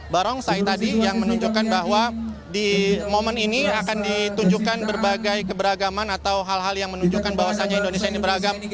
barongsai tadi yang menunjukkan bahwa di momen ini akan ditunjukkan berbagai keberagaman atau hal hal yang menunjukkan bahwasannya indonesia ini beragam